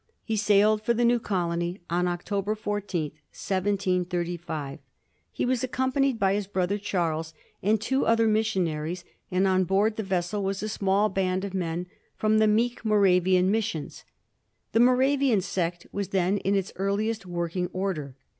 He sailed for the new col ony on October 14, 1735. He was accompanied by his brother Charles and two other missionaries, and on board the vessel was a small band of men from " the meek Mora * vian Missions." The Moravian sect was then in its earli est working order.